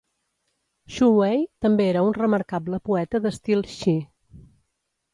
Xu Wei també era un remarcable poeta d'estil "shi".